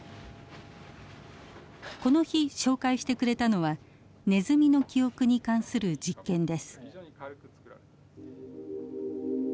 この日紹介してくれたのはネズミの記憶に関する実験です。